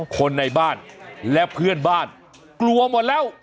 คนในบ้านและเพื่อนบ้านกลัวหมดแล้ว